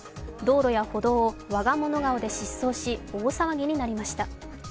道路や歩道を我が物顔で疾走し、大騒ぎになりました。